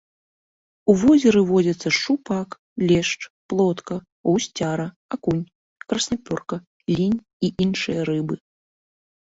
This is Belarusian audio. У возеры водзяцца шчупак, лешч, плотка, гусцяра, акунь, краснапёрка, лінь і іншыя рыбы.